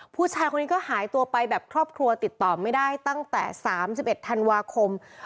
ผู้ชายคนนี้ก็หายตัวไปแบบครอบครัวติดต่อไม่ได้ตั้งแต่๓๑ธันวาคม